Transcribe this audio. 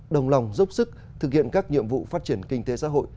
đồng lòng dốc sức thực hiện các nhiệm vụ phát triển kinh tế xã hội